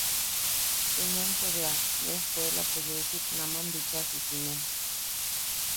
Junuenpo bea, ne ejkuelapo yeu sik, ne nam bichaa sisimen.